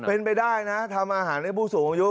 เป็นไปได้นะทำอาหารให้ผู้สูงอายุ